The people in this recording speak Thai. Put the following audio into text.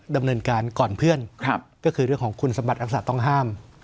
ดำเนินการก่อนเพื่อนก็คือเรื่องของคุณสมบัติรักษาต้องห้าม